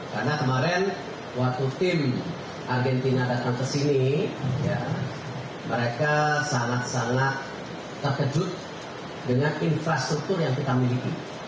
karena kemarin waktu tim argentina datang kesini ya mereka sangat sangat terkejut dengan infrastruktur yang kita miliki